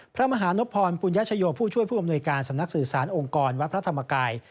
พระมหานพรปุญญชโยผู้ช่วยผู้อำนวยการสำนักสื่อสารองค์กรวัดพระธรรมกาย